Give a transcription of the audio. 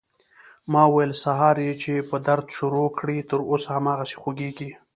ما وويل سهار يې چې په درد شروع کړى تر اوسه هماغسې خوږېږي.